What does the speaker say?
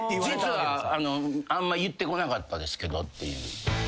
実はあんま言ってこなかったですけどっていう。